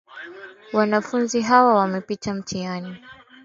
mabadiliko ya tabia kusisitiza utamaduni wa hewa safi kuimarisha